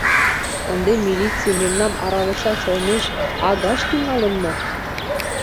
Ынде милице мемнам аралышаш олмеш агаш тӱҥалын мо?